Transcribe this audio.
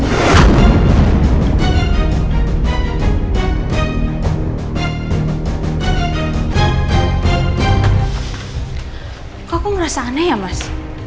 nih aku ngerasa aneh ya mas